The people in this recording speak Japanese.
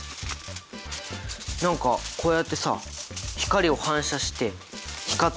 何かこうやってさ光を反射して光ってるよね！